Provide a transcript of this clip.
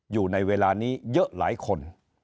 อยู่ในเวลานี้เยอะหลายคน